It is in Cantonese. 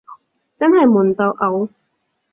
真係悶到嘔